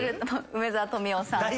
梅沢富美男さんとか。